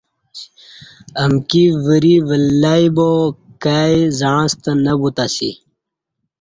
امکی وری ولئ با کائی زعݩستہ نہ بوتاسی